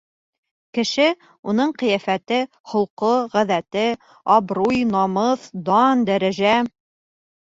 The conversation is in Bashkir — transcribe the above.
Кеше, уның ҡиәфәте, холҡо, ғәҙәте; абруй, намыҫ, дан, дәрәжә